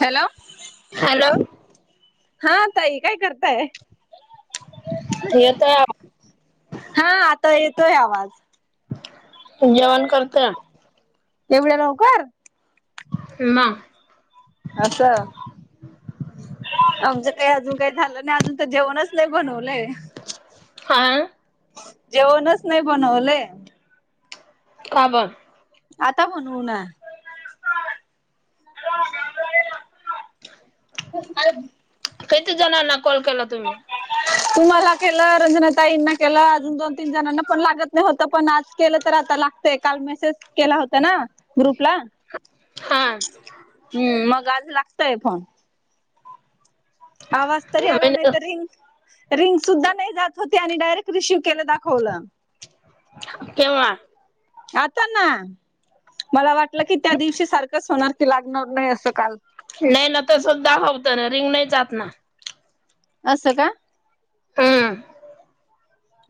Hello. Hello हा ताई काय करताय. येतोय आवाज हा आता. येतोय आवाज. [inaudible] जेवण करतया. एवढ्या लवकर. [unintelligible] अस. आमच्या ते हजून. काही झालं नाही अजून तर जेवणच नाही बनवलंय. हा. जेवणच नाही बनवले. का बण. आता बणव ना. कहीत जणांना कॉल केला तुम्ही. तुम्हाला केलं रंजनातााईंना केलं अजून दोन तीन जणांना पण लागत नाही होत पण आज केलं तर आता लागतय काल मेसेज केला होता. ग्रुपलाम् हा मग आज ला. आहे फन. आवाज तरी आला मी नाही, त रिंग रिंग सुद्धा नाही जात होते, आणि डायरेक्ट कृषी केलं दाखवलं. केव्हा आताना. मला वाटलं की त्या दिवशी सारखंच होणार. लागणार नाही असं काल. नाही ना तस दाखवतं, ना रिंग नाही जात ना. असं का. हम्म.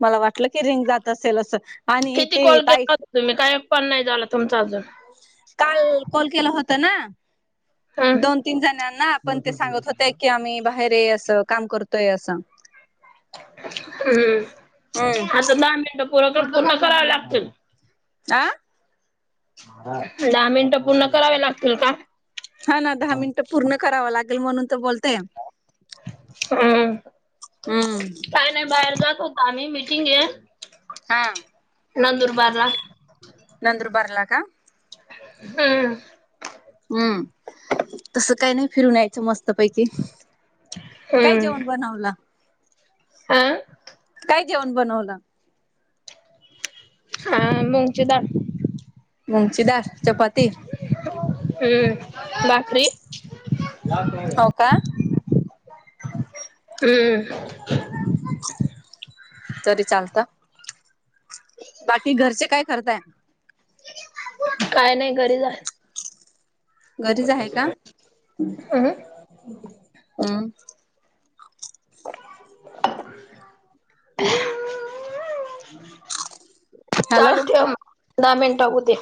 मला वाटलं की रिंग जात असेल असं. आणि किती ते कॉल ताई केला होता तुम्ही काही पण नाही झाला तुमच अजून. त ना. हम्म दोन तीन जणांना आपण ते सांगत होते की आम्ही बाहेर ए असं काम करतो. तय असन. हम्म [inaudible] पुर करा लागतय [inaudible] आ दहा मिनटं पूर्ण करावे लागतील का. हा ना दहा मिनिटं पूर्ण कराव, लाग ती म्हणून तर बोलतोय आप. हम्म हम्म काय नाही बाहेर जात होतो. आणि मिटींग आहे हा नंदुरबारला. नंदुरबारला का. हा. हम्म. तसं काही नाही, फिरून या. च मस्त पैकी काय जेवण बनवला. आ. काय जेवण बनवलं. हा मुगची डाळ. मुंगची डाळ चपाती. लाकडी [inaudible] हम्म हो का तरी चालत, बाकी घरचे काय करताये. काय नाही घरीच जा. घरीच आहे का? हम्म हम्म [unintelligible] हॅलो चालू ठेवा दहा मिनिट होऊ द्या.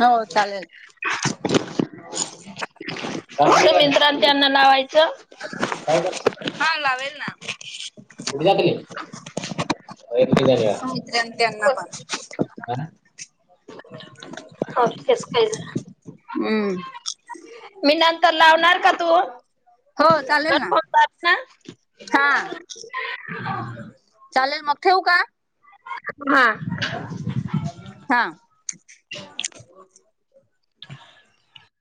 हो चालेल. तर त्यांना लावाय च हा लावेल ना [unintelligible] मित्रां त्यांना पण हो केस काय हम्म मी नंतर लावणार का तू हो चालेल ना कन्फर्म कर ना हा [unintelligible] चालेल मग ठेवू का? हा हा [unintelligible]